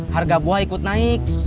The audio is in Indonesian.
harga buah ikut naik